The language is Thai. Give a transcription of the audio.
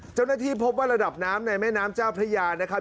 เจ้าหน้าที่พบว่าระดับน้ำในแม่น้ำเจ้าพระยานะครับ